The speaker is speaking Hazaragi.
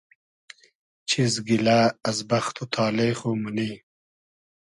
چیز گیلۂ از بئخت و تالې خو مونی؟